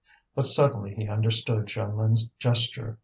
But suddenly he understood Jeanlin's gesture.